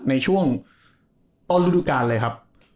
ในช่วงต้นฤดูการเลยครับ